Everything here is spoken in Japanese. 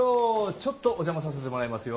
ちょっとお邪魔させてもらいますよ。